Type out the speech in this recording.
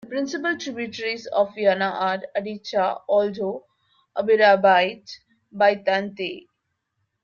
The principal tributaries of the Yana are: Adycha, Oldzho, Abyrabyt, Bytantay.